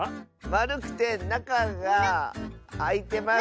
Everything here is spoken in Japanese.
まるくてなかがあいてます。